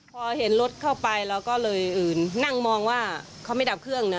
พอเห็นรถเข้าไปเราก็เลยนั่งมองว่าเขาไม่ดับเครื่องนะ